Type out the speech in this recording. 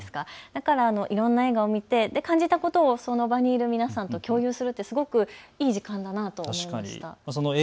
だからいろんな映画を見て感じたことをその場にいる皆さんと共有するってすごくいい時間だなと思いました。